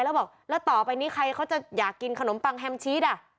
แล้วบอกแล้วต่อไปนี้ใครเขาจะอยากกินขนมปังแฮมชีสอ่ะ